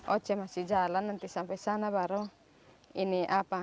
oce masih jalan nanti sampai sana baru ini apa